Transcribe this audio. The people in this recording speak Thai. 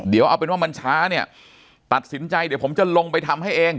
เดี๋ยวเอาเป็นว่ามันช้าเนี่ยตัดสินใจเดี๋ยวผมจะลงไปทำให้เอง